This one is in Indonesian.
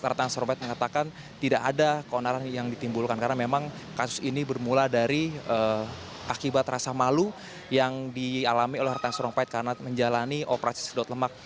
ratna sarumpait mengatakan tidak ada keonaran yang ditimbulkan karena memang kasus ini bermula dari akibat rasa malu yang dialami oleh ratna sarumpait karena menjalani operasi sedot lemak